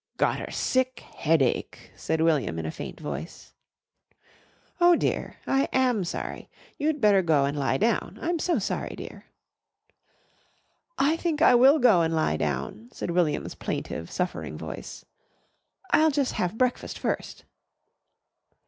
"Gotter sick headache," said William in a faint voice. "Oh, dear! I am sorry. You'd better go and lie down. I'm so sorry, dear." "I think I will go an' lie down," said William's plaintive, suffering voice. "I'll jus' have breakfast first."